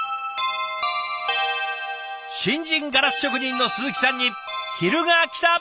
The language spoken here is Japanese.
新人ガラス職人の鈴木さんに昼がきた！